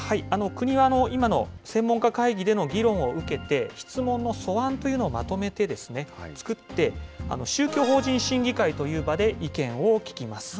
国は今の専門家会議での議論を受けて、質問の素案というのをまとめて、作って、宗教法人審議会という場で意見を聞きます。